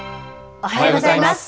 おはようございます。